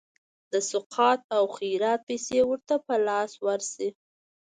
د سقاط او خیرات پیسي ورته په لاس ورشي.